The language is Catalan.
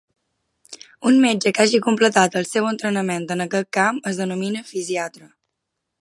Un metge que hagi completat el seu entrenament en aquest camp es denomina fisiatra.